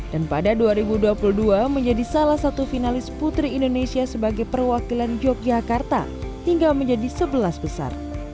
dan pada dua ribu dua puluh dua menjadi salah satu finalis putri indonesia sebagai perwakilan yogyakarta hingga menjadi sebelas besar